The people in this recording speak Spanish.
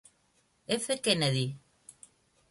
F. Kennedy.